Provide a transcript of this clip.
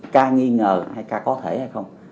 ca nghi ngờ hay ca có thể hay không